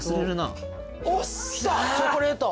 来たチョコレート。